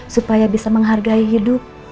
supaya bisa menghargai hidup